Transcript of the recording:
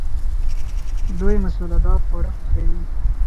دوی مساله دار خواړه خوښوي.